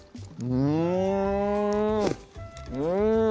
うん！